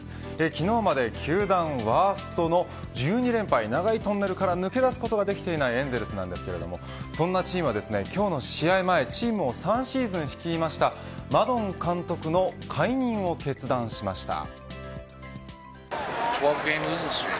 昨日まで球団ワーストの１２連敗長いトンネルから抜け出すことができていないエンゼルスですがそんなチームは、今日の試合前チームを３シーズン率いたマドン監督の解任を決断しました。